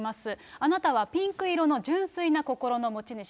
あなたはピンク色の純粋な心の持ち主。